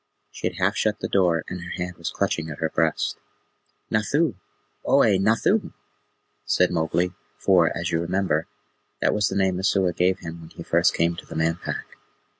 She had half shut the door, and her hand was clutching at her breast. "Nathoo! Ohe, Nathoo!" said Mowgli, for, as you remember, that was the name Messua gave him when he first came to the Man Pack.